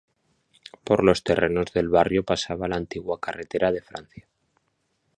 Por los terrenos del barrio pasaba la antigua carretera de Francia.